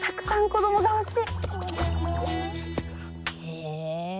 へえ。